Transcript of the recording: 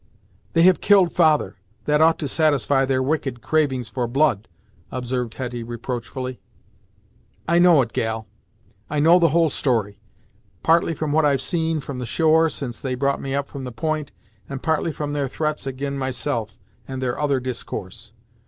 "They have killed father; that ought to satisfy their wicked cravings for blood," observed Hetty reproachfully. "I know it, gal I know the whole story partly from what I've seen from the shore, since they brought me up from the point, and partly from their threats ag'in myself, and their other discourse.